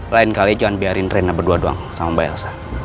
lain kali jangan biarin rena berdua doang sama mbak elsa